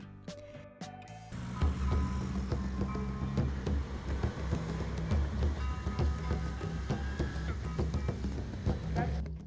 kedamaian dan kedaton